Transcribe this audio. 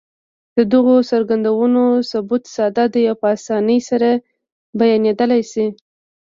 د دغو څرګندونو ثبوت ساده دی او په اسانۍ سره بيانېدلای شي.